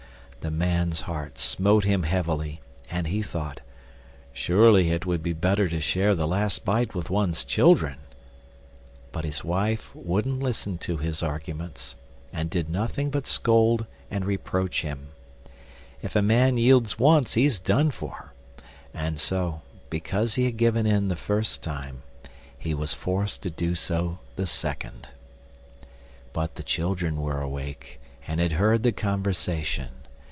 The man's heart smote him heavily, and he thought: "Surely it would be better to share the last bite with one's children!" But his wife wouldn't listen to his arguments, and did nothing but scold and reproach him. If a man yields once he's done for, and so, because he had given in the first time, he was forced to do so the second. But the children were awake, and had heard the conversation.